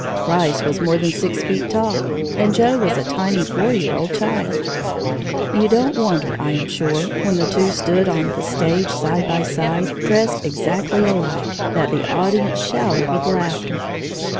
Rice was more than six feet tall, and Joe was a tiny four year old child. You don't wonder, I am sure, when the two stood on the stage, side by side, dressed exactly alike, that the audience shouted with laughter.